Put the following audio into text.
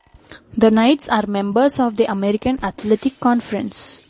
The Knights are members of the American Athletic Conference.